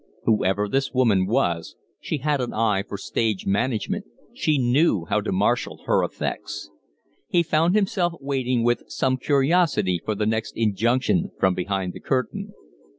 Whoever this woman was, she had an eye for stage management, she knew how to marshal her effects. He found himself waiting with some curiosity for the next injunction from behind the curtain.